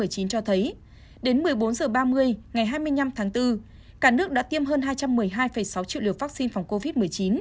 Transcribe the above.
covid một mươi chín cho thấy đến một mươi bốn h ba mươi ngày hai mươi năm tháng bốn cả nước đã tiêm hơn hai trăm một mươi hai sáu triệu liều vaccine phòng covid một mươi chín